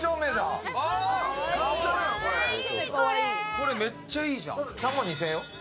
これ、めっちゃいいじゃん。